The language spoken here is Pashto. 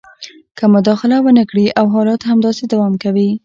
که مداخله ونه کړي او حالات همداسې دوام کوي